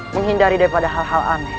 menghindari daripada hal hal aneh